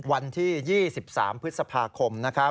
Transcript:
วันที่๒๓พฤษภาคมนะครับ